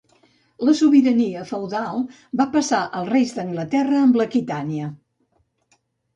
La sobirania feudal va passar als reis d'Anglaterra amb l'Aquitània.